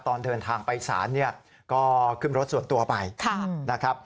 ตอนเดินทางไปศาลเนี่ยก็ขึ้นรถส่วนตัวไปนะครับ